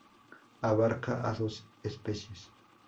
Abarca a dos especies.